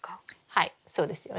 はいそうですよね。